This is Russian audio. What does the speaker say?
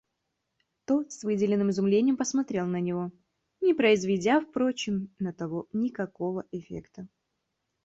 Тот с выделанным изумлением посмотрел на него, не произведя, впрочем, на того никакого эффекта.